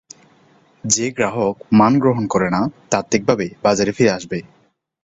যে গ্রাহক মান গ্রহণ করে না, তাত্ত্বিকভাবে, বাজারে ফিরে আসবে।